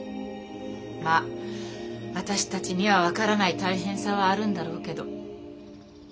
まあ私たちには分からない大変さはあるんだろうけど。